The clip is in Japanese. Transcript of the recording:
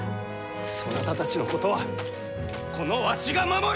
そなたたちのことはこのわしが守る！